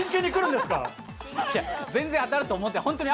全然当たると思ってない。